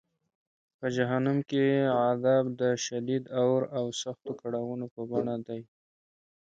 په جهنم کې عذاب د شدید اور او سختو کړاوونو په بڼه دی.